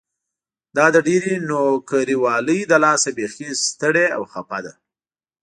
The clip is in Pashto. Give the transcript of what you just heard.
دا د ډېرې نوکري والۍ له لاسه بيخي ستړې او خپه ده.